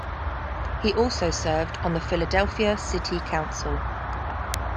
He also served on the Philadelphia City Council.